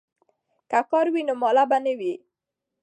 که کار وي نو ماله نه وي.